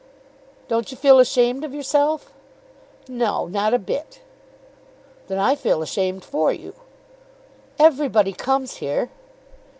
"Don't you feel ashamed of yourself?" "No; not a bit." "Then I feel ashamed for you." "Everybody comes here."